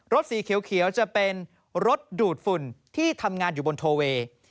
สีเขียวจะเป็นรถดูดฝุ่นที่ทำงานอยู่บนโทเวย์